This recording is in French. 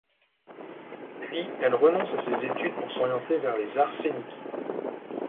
Puis elle renonce à ses études pour s'orienter vers les arts scéniques.